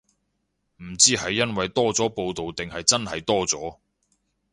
唔知係因為多咗報導定係真係多咗